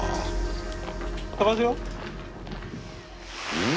うん？